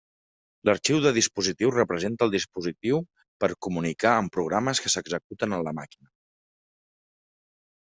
L'arxiu de dispositiu representa al dispositiu per comunicar amb programes que s'executen en la màquina.